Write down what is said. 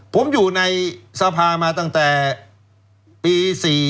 ผมอยู่ในสภามาตั้งแต่ปี๔๔